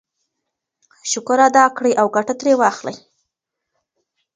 شکر ادا کړئ او ګټه ترې واخلئ.